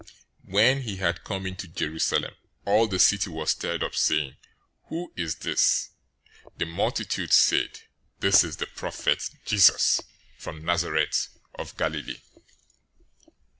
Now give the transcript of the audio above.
"{Psalm 118:26} 021:010 When he had come into Jerusalem, all the city was stirred up, saying, "Who is this?" 021:011 The multitudes said, "This is the prophet, Jesus, from Nazareth of Galilee."